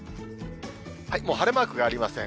晴れマークがありません。